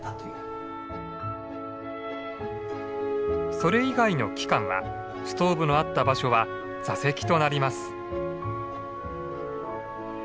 それ以外の期間はストーブのあった場所は座席となります。